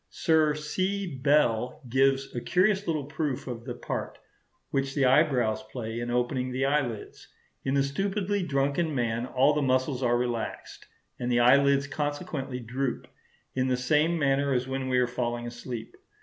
Sir C. Bell gives a curious little proof of the part which the eyebrows play in opening the eyelids. In a stupidly drunken man all the muscles are relaxed, and the eyelids consequently droop, in the same manner as when we are falling asleep.